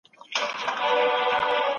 حکومت به د پرمختګ لپاره نوي شرایط برابر کړي.